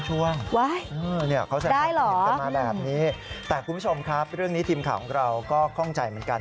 ได้เหรออืมแต่คุณผู้ชมครับเรื่องนี้ทีมข่าวของเราก็ข้องใจเหมือนกัน